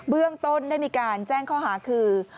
เรื่องต้นได้มีการแจ้งข้อหาคือ